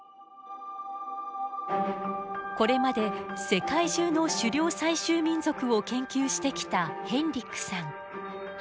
これまで世界中の狩猟採集民族を研究してきたヘンリックさん。